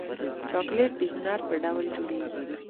چاکلېټ د هنر په ډول جوړېږي.